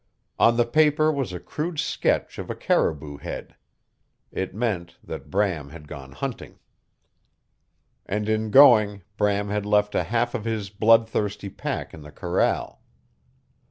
On the paper was a crude sketch of a caribou head. It meant that Bram had gone hunting. And in going Bram had left a half of his blood thirsty pack in the corral.